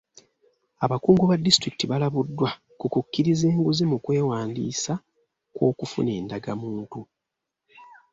Abakungu ba disitulikiti balabuddwa ku kukkiriza enguzi mu kwewandiisa kw'okufuna endagamuntu.